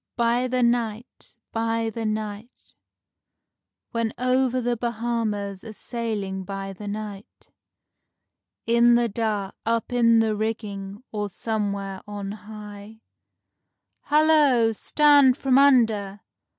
_ By the night, by the night, When over the Bahamas a sailing by the night. In the dark, up in the rigging, or somewhere on high, "Hallo! Stand from under!"